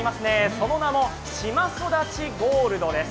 その名も、島そだちゴールドです。